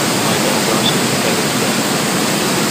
My dad's ashes were buried there.